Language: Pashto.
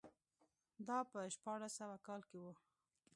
دا په شپاړس سوه کال کې و.